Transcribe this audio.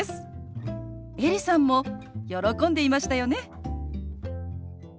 エリさんも喜んでいましたよね。